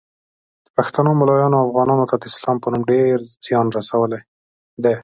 د پښتنو مولایانو افغانانو ته د اسلام په نوم ډیر ځیان رسولی دی